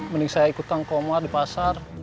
mending saya ikut tangkomar di pasar